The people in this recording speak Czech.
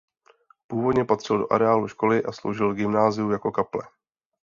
Původně patřil do areálu školy a sloužil gymnáziu jako kaple.